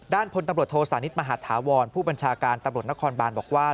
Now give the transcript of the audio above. พลตำรวจโทสานิทมหาธาวรผู้บัญชาการตำรวจนครบานบอกว่า